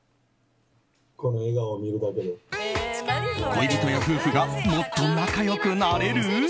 恋人や夫婦がもっと仲良くなれる？